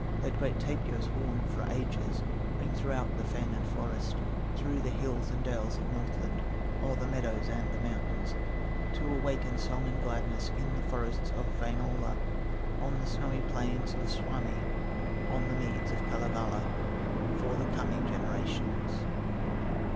Let great Tapio's horn for ages Ring throughout the fen and forest, Through the hills and dales of Northland O'er the meadows and the mountains, To awaken song and gladness In the forests of Wainola, On the snowy plains of Suomi, On the meads of Kalevala, For the coming generations."